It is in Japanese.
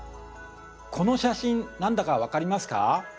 この写真何だか分かりますか？